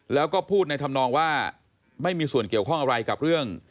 แล้วก็พูดในธรรมนองว่าไม่มีส่วนเกี่ยวข้องอะไรกับเรื่อง